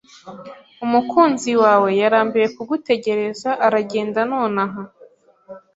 Umukunzi wawe yarambiwe kugutegereza aragenda nonaha.